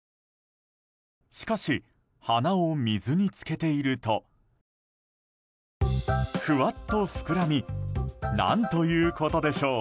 しかし、花を水につけているとふわっと膨らみ何ということでしょう